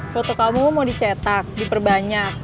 foto kamu mau dicetak diperbanyak